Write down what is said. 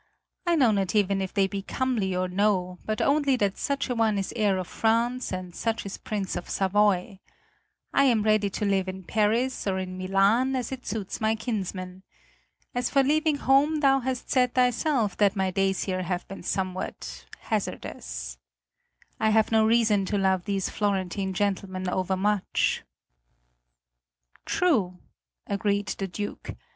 I know not even if they be comely or no, but only that such a one is Heir of France and such is Prince of Savoy. I am ready to live in Paris or in Milan as it suits my kinsmen. As for leaving home thou hast said thyself that my days here have been somewhat hazardous. I have no reason to love these Florentine gentlemen overmuch." "True," agreed the Duke.